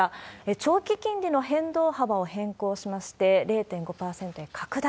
長期金利の変動幅を変更しまして、０．５％に拡大。